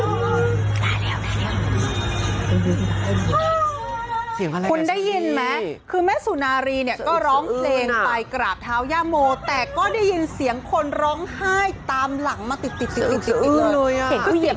คุณได้ยินไหมคือแม่สุนารีเนี่ยก็ร้องเพลงไปกราบเท้าย่าโมแต่ก็ได้ยินเสียงคนร้องไห้ตามหลังมาติดติดเลย